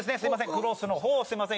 クロスのほうをすいません